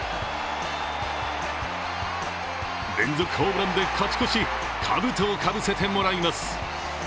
連続ホームランで勝ち越しかぶとをかぶせてもらいます。